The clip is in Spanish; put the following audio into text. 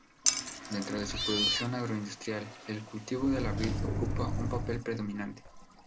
Dentro de su producción agroindustrial, el cultivo de la vid ocupa un papel predominante.